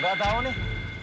gak tau nih